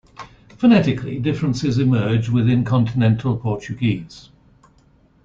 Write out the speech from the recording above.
Phonetically, differences emerge within Continental Portuguese.